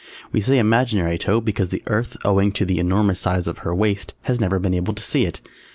We say imaginary toe because the Earth, owing to the enormous size of her waist, has never been able to see it.